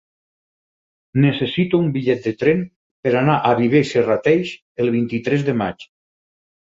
Necessito un bitllet de tren per anar a Viver i Serrateix el vint-i-tres de maig.